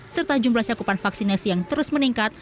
serta jumlah cakupan vaksinasi yang terus meningkat